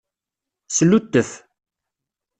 Sluttef.